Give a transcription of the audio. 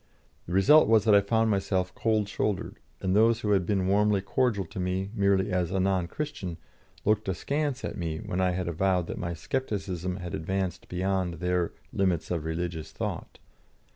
The result was that I found myself cold shouldered, and those that had been warmly cordial to me merely as a non Christian looked askance at me when I had avowed that my scepticism had advanced beyond their "limits of religious thought."